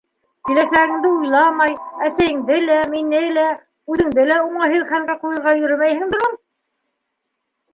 Киләсәгеңде уйламай, әсәйеңде лә, мине лә, үҙеңде лә уңайһыҙ хәлгә ҡуйырға йөрөмәйһеңдер ул?